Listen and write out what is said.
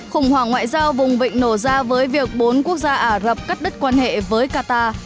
khủng hoảng ngoại giao vùng vịnh nổ ra với việc bốn quốc gia ả rập cắt đứt quan hệ với qatar